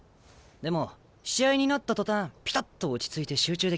でも試合になった途端ピタッと落ち着いて集中できるんだ。